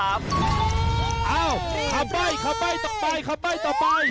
อ้าวคำใบ้คำใบ้ต่อไปคำใบ้ต่อไป